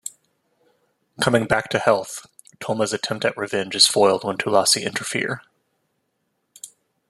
Coming back to health, Thoma's attempt at revenge is foiled when Thulasi interfere.